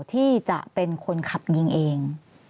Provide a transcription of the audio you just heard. ที่จะเป็นคนขับยิงเอง